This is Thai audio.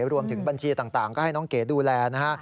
รวมถึงบัญชีต่างก็ให้น้องเก๋ดูแลนะฮะ